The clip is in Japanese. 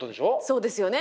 そうですよね。